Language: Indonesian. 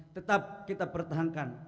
tetap kita pertahankan